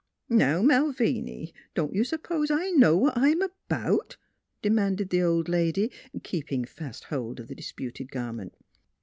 " Now, Malviny, don't you s'pose I know what I'm 'bout? " demanded the old lady, keeping fast hold of the disputed garment.